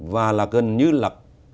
và là gần như là